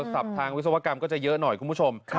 ทางวิศวกรรมก็จะเยอะหน่อยคุณผู้ชม